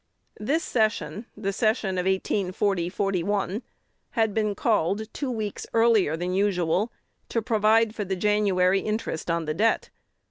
This session (the session of 1840 1) had been called two weeks earlier than usual, to provide for the January interest on the debt.